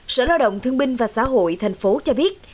sở lao động thương binh và xã hội thành phố cho biết